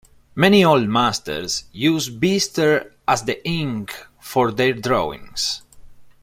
Many Old Masters used bistre as the ink for their drawings.